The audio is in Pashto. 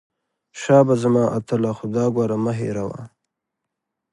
شابه زما اتله خو دا ګوره مه هېروه.